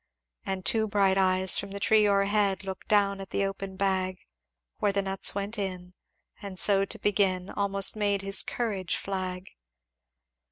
"And two bright eyes from the tree o'erhead, Looked down at the open bag Where the nuts went in and so to begin, Almost made his courage flag.